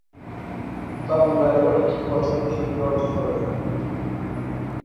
বাংলায়ও এটি প্রচন্ড শক্তি অর্জন করে।